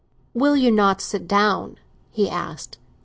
"Will you not sit down?" he asked.